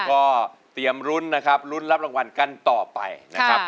ก็เตรียมรุ้นนะครับรุ้นรับรางวัลกันต่อไปนะครับ